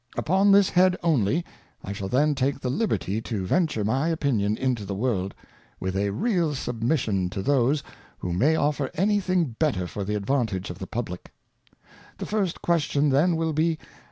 Upon this Head only, I shall then take the liberty to venture my Opinion into the World, with a real^ubmission to those, who may offer any thing better fortheadvantage of the PubUcJc^, The first Question then will be.